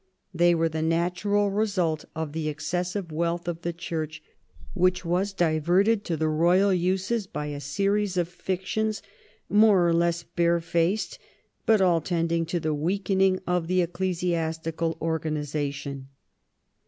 They were the natural result of the excessive wealth of the Church, which was diverted to the royal uses by a series of fictions, more or less barefaced, but all tending to the weakening of the ecclesiastical organisation.